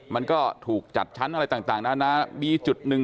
มันก็ถูกจัดชั้นอะไรต่างมี๑๑๑๓๖